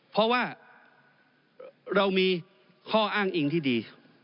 เพราะว่าเรามีข้ออ้างอิงที่ดี